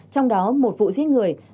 trong đó một vụ giết người